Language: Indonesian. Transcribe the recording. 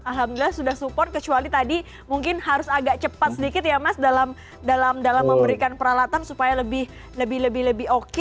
alhamdulillah sudah support kecuali tadi mungkin harus agak cepat sedikit ya mas dalam memberikan peralatan supaya lebih lebih oke